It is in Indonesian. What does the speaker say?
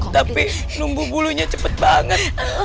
tapi nunggu bulunya cepet banget